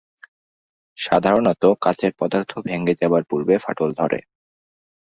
সাধারণতঃ কাচের পদার্থ ভেঙ্গে যাবার পূর্বে ফাটল ধরে।